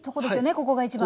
ここが一番。